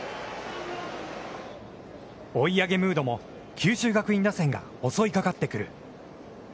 追い上げムードも九州学院打線が襲いかかってくる。